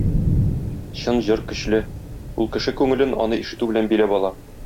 Чын җыр көчле, ул кеше күңелен аны ишетү белән биләп ала.